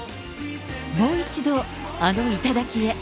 もう一度、あの頂へ。